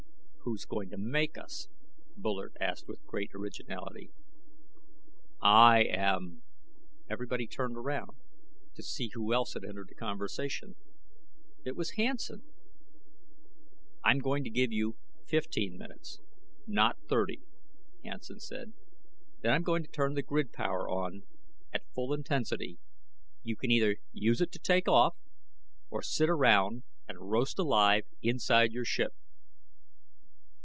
"Who's going to make us?" Bullard asked with great originality. "I am." Everybody turned around to see who else had entered the conversation. It was Hansen. "I'm going to give you fifteen minutes, not thirty," Hansen said. "Then I'm going to turn the grid power on at full intensity. You can either use it to take off, or sit around and roast alive inside your ship."